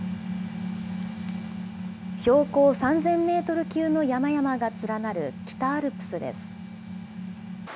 標高３０００メートル級の山々が連なる北アルプスです。